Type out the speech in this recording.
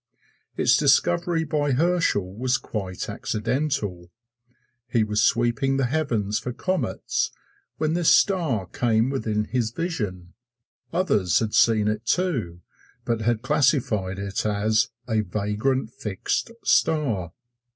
Its discovery by Herschel was quite accidental. He was sweeping the heavens for comets when this star came within his vision. Others had seen it, too, but had classified it as "a vagrant fixed star."